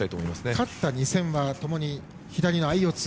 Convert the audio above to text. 勝った２戦はともに左の相四つ。